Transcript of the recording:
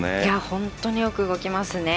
本当によく動きますね。